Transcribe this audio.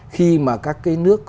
khi mà các cái nước